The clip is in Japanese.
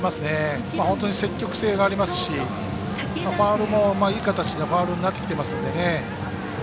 本当に積極性がありますしファウルもいい形のファウルになってきていますしね。